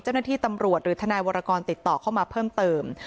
เจ้าหน้าที่ตำรวจหรือทนายวรกรติดต่อเข้ามาเพิ่มเติม